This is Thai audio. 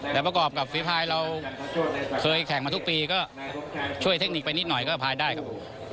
แต่ประกอบกับฝีพายเราเคยแข่งมาทุกปีก็ช่วยเทคนิคไปนิดหน่อยก็พายได้ครับ